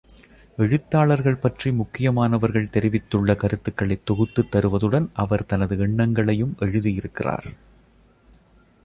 எழுத்தாளர்கள் பற்றி முக்கியமானவர்கள் தெரிவித்துள்ள கருத்துக்களைத் தொகுத்துத் தருவதுடன் அவர் தனது எண்ணங்களையும் எழுதியிருக்கிறார்.